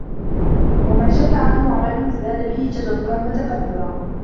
وَمَنْ جَلَّ عَنْهُ عَمَلُهُ ازْدَادَ بِهِ تَجَبُّرًا وَتَكَبُّرًا